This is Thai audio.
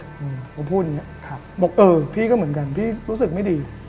พี่ก็พูดอย่างนี้บอกเออพี่ก็เหมือนกันพี่รู้สึกไม่ดี